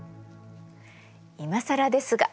いまさらですが。